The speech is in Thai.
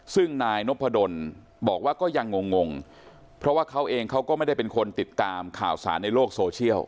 ซึ่งนายนพดลบอกว่าก็ยังงงเพราะว่าเขาเองเขาก็ไม่ได้เป็นคนติดตามข่าวสารในโลกโซเชียล